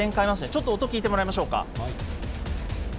ちょっと音聴いてもらいましょうか。